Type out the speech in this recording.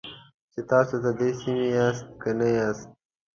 چې تاسو د دې سیمې یاست که نه یاست.